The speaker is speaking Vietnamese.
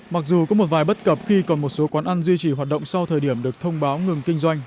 mặc dù có một vài bất cập khi còn một số quán ăn duy trì hoạt động sau thời điểm được thông báo ngừng kinh doanh